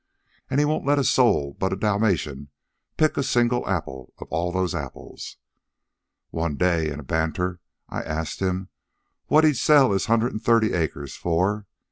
And he won't let a soul but a Dalmatian pick a single apple of all those apples. One day, in a banter, I asked him what he'd sell his hundred and thirty acres for.